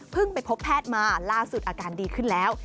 ไปพบแพทย์มาล่าสุดอาการดีขึ้นแล้ว